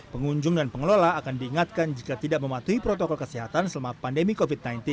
pengunjung dan pengelola akan diingatkan jika tidak mematuhi protokol kesehatan selama pandemi covid sembilan belas